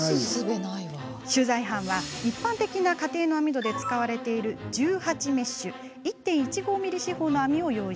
取材班は、一般的な家庭の網戸で使われている１８メッシュ１．１５ｍｍ四方の網を用意。